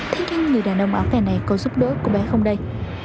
thế nhưng người đàn ông áo kè này có giúp đỡ cô bé không đây